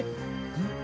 うん？